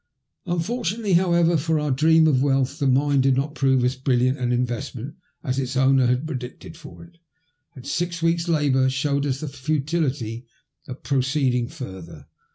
Unfortunately, however, for our dream of wealth, the mine did not prove as brilliant an investment as its owner had predicted for it, and six week's labour showed us the futility of proceeding further.